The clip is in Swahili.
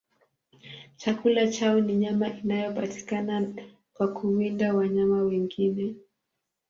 Chakula chao ni nyama inayopatikana kwa kuwinda wanyama wengine.